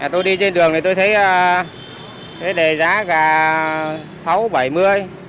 tôi đi trên đường thì tôi thấy đề giá cả sáu bảy mươi